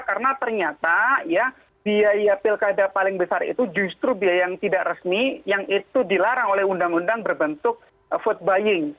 karena ternyata biaya pilkada paling besar itu justru biaya yang tidak resmi yang itu dilarang oleh undang undang berbentuk food buying